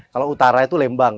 kalau utaranya itu lembang